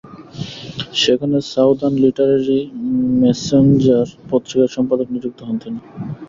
সেখানে Southern Literary Messenger পত্রিকার সম্পাদক নিযুক্ত হন তিনি।